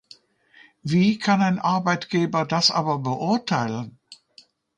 Wie kann ein Arbeitgeber das aber beurteilen?